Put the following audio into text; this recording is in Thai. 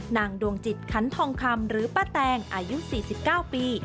ดวงจิตขันทองคำหรือป้าแตงอายุ๔๙ปี